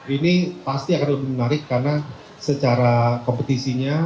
ini pasti akan lebih menarik karena secara kompetisinya